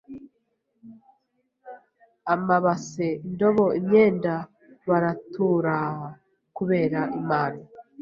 amabase, indobo, imyenda,.... baraturaaaaa "kubera Imana".